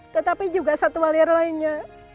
tetapi juga satu aliar lainnya